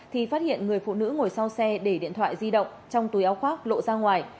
thì phát hiện người phụ nữ ngồi sau xe để điện thoại di động trong túi áo khoác lộ ra ngoài